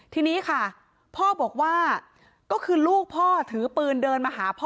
ทีนี้ค่ะพ่อบอกว่าก็คือลูกพ่อถือปืนเดินมาหาพ่อ